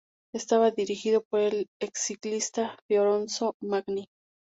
Estaba dirigido por el exciclista Fiorenzo Magni.